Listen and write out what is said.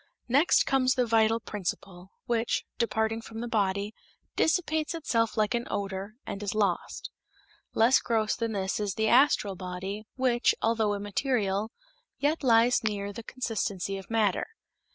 Next comes the vital principle, which, departing from the body, dissipates itself like an odor, and is lost. Less gross than this is the astral body, which, although immaterial, yet lies near to the consistency of matter.